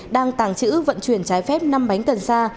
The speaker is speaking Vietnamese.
đang tàng trữ vận chuyển trái phép năm bánh cần sa